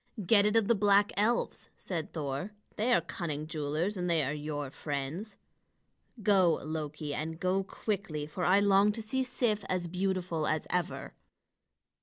"Get it of the black elves," said Thor; "they are cunning jewelers, and they are your friends. Go, Loki, and go quickly, for I long to see Sif as beautiful as ever."